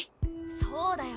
そうだよ